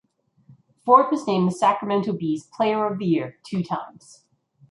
Ford was named the Sacramento Bee’s player of the year two times.